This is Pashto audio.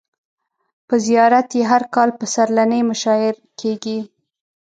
په زیارت یې هر کال پسرلنۍ مشاعر کیږي.